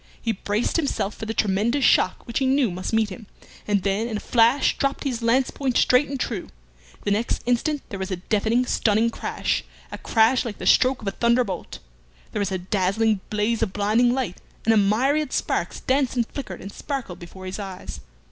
He braced himself for the tremendous shock which he knew must meet him, and then in a flash dropped lance point straight and true. The next instant there was a deafening stunning crash a crash like the stroke of a thunder bolt. There was a dazzling blaze of blinding light, and a myriad sparks danced and flickered and sparkled before his eyes.